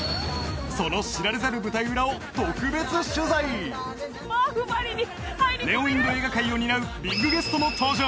その知られざる舞台裏を特別取材ネオインド映画界を担うビッグゲストも登場